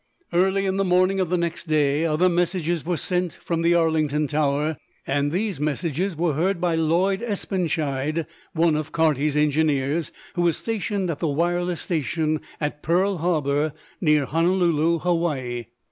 Early in the morning of the next day other messages were sent from the Arlington tower, and these messages were heard by Lloyd Espenschied, one of Carty's engineers, who was stationed at the wireless station at Pearl Harbor, near Honolulu, Hawaii.